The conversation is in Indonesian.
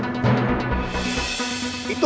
anda lihat itu